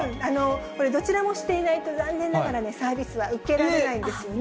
これ、どちらもしていないと、残念ながらサービスは受けられないんですよね。